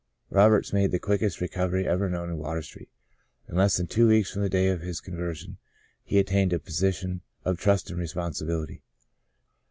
'^ Mr. Roberts made the quickest '* recovery " ever known in Water Street. In less than two weeks from the day of his conversion he obtained a position of trust and responsi bility.